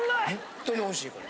本当においしいこれ。